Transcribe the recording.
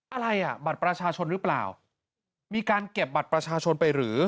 อะไรอ่ะบัตรประชาชนหรือเปล่ามีการเก็บบัตรประชาชนไปหรือ